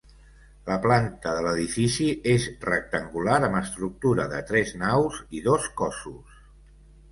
La planta de l'edifici és rectangular amb estructura de tres naus i dos cossos.